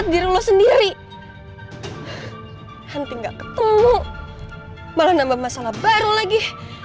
diri lo sendiri henti gak ketemu malah nambah masalah baru lagi